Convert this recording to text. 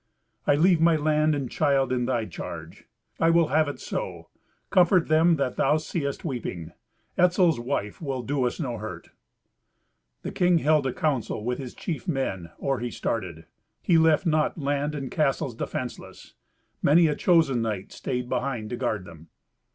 "I leave my land and child in thy charge. I will have it so. Comfort them that thou seest weeping. Etzel's wife will do us no hurt!" The king held a council with his chief men or he started. He left not land and castles defenceless. Many a chosen knight stayed behind to guard them.